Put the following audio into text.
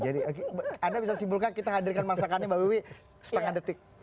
anda bisa simpulkan kita hadirkan masakannya mbak wiwi setengah detik